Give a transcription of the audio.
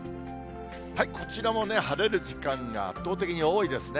こちらも晴れる時間が圧倒的に多いですね。